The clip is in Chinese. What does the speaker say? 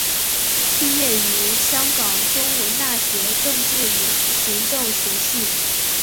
毕业于香港中文大学政治与行政学系。